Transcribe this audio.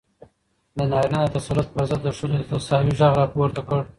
د نارينه د تسلط پر ضد د ښځو د تساوۍ غږ راپورته کړ.